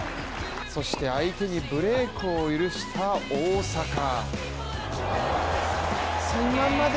そして相手にブレークを許した大坂